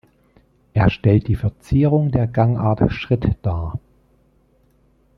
Er stellt die Verzierung der Gangart Schritt dar.